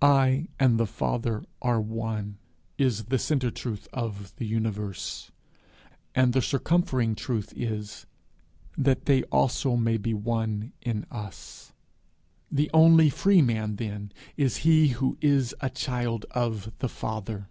'I and the Father are one,' is the centre truth of the Universe; and the circumfering truth is, 'that they also may be one in us.' The only free man, then, is he who is a child of the Father.